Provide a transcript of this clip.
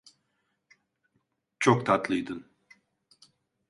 Çok tatlıydın.